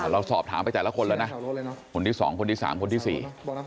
เราสอบถามไปแต่ละคนแล้วนะคนที่สองคนที่สามคนที่สี่